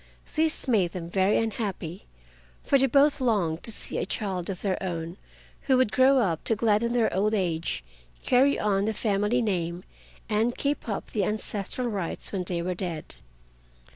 This made them very unhappy, for they both longed to see a child of their own who would grow up to gladden their old age, carry on the family name, and keep up the ancestral rites when they were dead.